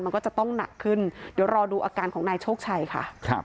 มันก็จะต้องหนักขึ้นเดี๋ยวรอดูอาการของนายโชคชัยค่ะ